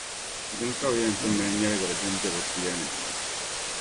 Dina ka bɛ yɛn ti mali nyεlgiri din be bɛ puya ni.